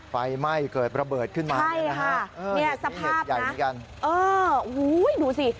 ไฟไหม้เกิดระเบิดขึ้นมาใช่ค่ะเนี้ยสภาพนะเออโอ้โหดูสิ